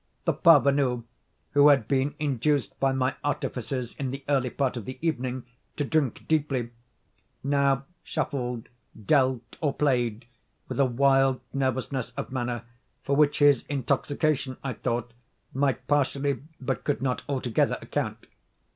The parvenu, who had been induced by my artifices in the early part of the evening, to drink deeply, now shuffled, dealt, or played, with a wild nervousness of manner for which his intoxication, I thought, might partially, but could not altogether account.